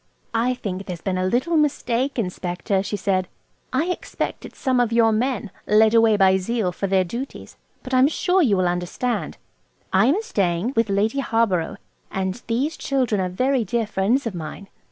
"I think there's been a little mistake, Inspector," she said "I expect it's some of your men–led away by zeal for their duties. But I'm sure you'll understand. I am staying with Lady Harborough, and these children are very dear friends of mine."